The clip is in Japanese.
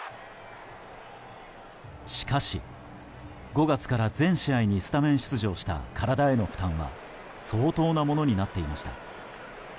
しかし、５月から全試合にスタメン出場した体への負担は相当なものになっていました。